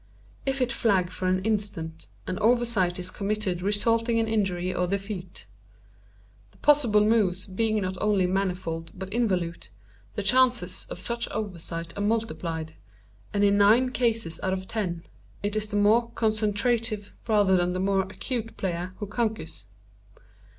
If it flag for an instant, an oversight is committed resulting in injury or defeat. The possible moves being not only manifold but involute, the chances of such oversights are multiplied; and in nine cases out of ten it is the more concentrative rather than the more acute player who conquers.